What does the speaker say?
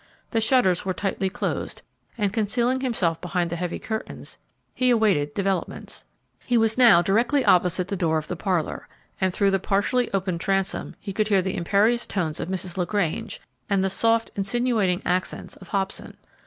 The shutters were tightly closed, and, concealing himself behind the heavy curtains, he awaited developments. He was now directly opposite the door of the parlor, and through the partially open transom he could hear the imperious tones of Mrs. LaGrange and the soft, insinuating accents of Hobson.